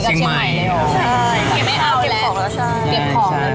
จริงจะเล่ากันบ่อยมั้ยเอ้าจริง